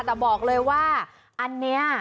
แต่บอกเลยว่าอันนี้